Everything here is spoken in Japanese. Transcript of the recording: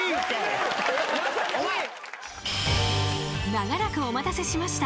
［長らくお待たせしました。